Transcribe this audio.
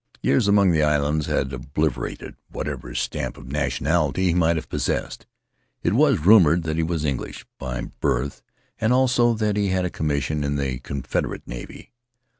Years among the islands had obliter ated whatever stamp of nationality he might have possessed; it was rumored that he was English by birth, and also that he had held a commission in the Confederate navy.